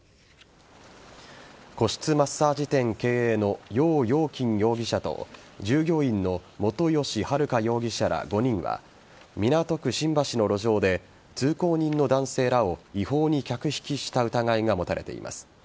個室マッサージ店経営のヨウ・ヨウキン容疑者と従業員の本吉春霞容疑者ら５人は港区新橋の路上で通行人の男性らを違法に客引きした疑いが持たれています。